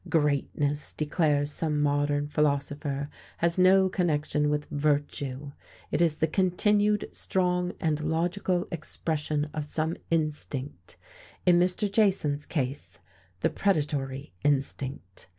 Greatness, declares some modern philosopher, has no connection with virtue; it is the continued, strong and logical expression of some instinct; in Mr. Jason's case, the predatory instinct.